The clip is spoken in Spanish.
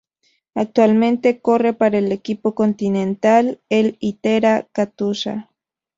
Actualmente corre para el equipo continental el Itera-Katusha.